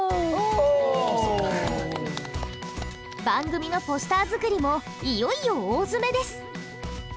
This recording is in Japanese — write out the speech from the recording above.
番組のポスター作りもいよいよ大詰めです。